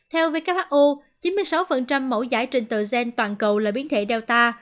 theo who chín mươi sáu mẫu giải trình tựa gen toàn cầu là biến thể delta